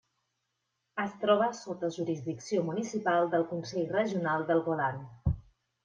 Es troba sota jurisdicció municipal del Consell Regional del Golan.